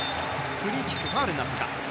フリーキックファウルになったか。